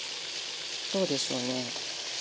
どうでしょうね。